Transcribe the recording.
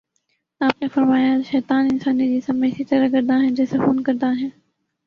آپ نے فرمایا: شیطان انسانی جسم میں اسی طرح گرداں ہے جیسے خون گرداں ہے